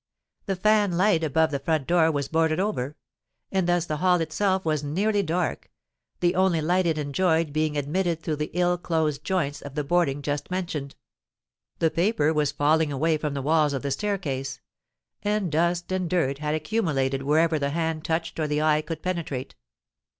The fan light above the front door was boarded over; and thus the hall itself was nearly dark, the only light it enjoyed being admitted through the ill closed joints of the boarding just mentioned. The paper was falling away from the walls of the staircase; and dust and dirt had accumulated wherever the hand touched or the eye could penetrate.